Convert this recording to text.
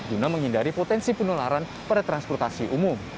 guna menghindari potensi penularan pada transportasi umum